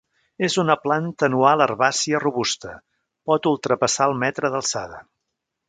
És una planta anual herbàcia robusta, pot ultrapassar el metre d'alçada.